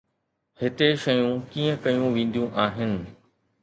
هتي شيون ڪيئن ڪيون وينديون آهن؟